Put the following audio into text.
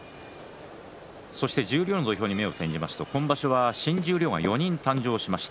十両の土俵に目を転じますと今場所は新十両が４人誕生しました。